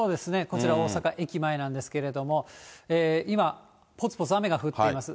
こちら、大阪駅前なんですけれども、今、ぽつぽつ雨が降っています。